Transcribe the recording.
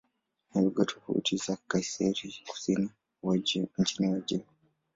Ni lugha tofauti na Kiazeri-Kusini nchini Uajemi.